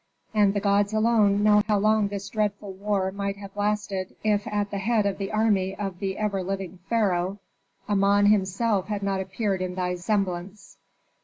And the gods alone know how long this dreadful war might have lasted if at the head of the army of the ever living pharaoh, Amon himself had not appeared in thy semblance.